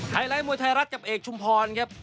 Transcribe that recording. ไลท์มวยไทยรัฐกับเอกชุมพรครับ